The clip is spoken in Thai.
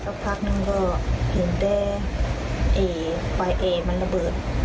พักนึงก็เห็นแต่ไฟเอมันระเบิด